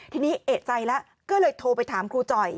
ทีนี้เอกใจแล้วก็เลยโทรไปถามครูจ่อย